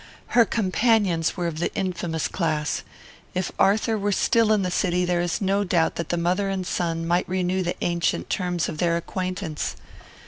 Her companions were of the infamous class. If Arthur were still in the city, there is no doubt that the mother and son might renew the ancient terms of their acquaintance.